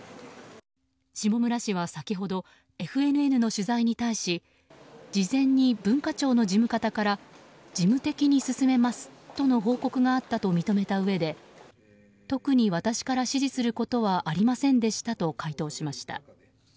下村氏は先ほどＦＮＮの取材に対し事前に文化庁の事務方から事務的に進めますとの報告があったと認めたうえで特に私から指示することはありませんでしたと回答しました。